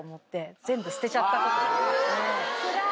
つらい。